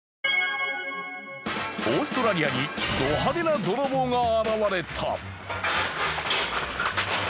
オーストラリアにド派手な泥棒が現れた。